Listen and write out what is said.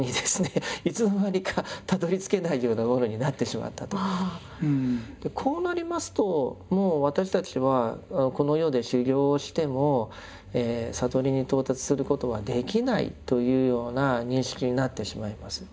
まあある意味でこうなりますともう私たちはこの世で修行しても悟りに到達することはできないというような認識になってしまいます。